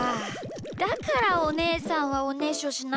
だからおねえさんはおねしょしないのか。